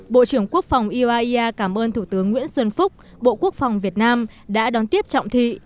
bộ trưởng quốc phòng iwaya cảm ơn thủ tướng nguyễn xuân phúc bộ quốc phòng việt nam đã đón tiếp trọng thị